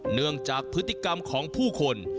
เนื่องจากพฤติกรรมของผู้คน